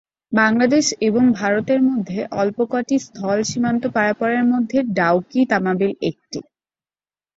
বাংলাদেশ এবং ভারতের মধ্যে অল্প ক’টি স্থল সীমান্ত পারাপারের মধ্যে ডাউকি-তামাবিল একটি।